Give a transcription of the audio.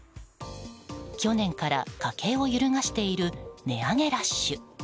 去年から家計を揺るがしている値上げラッシュ。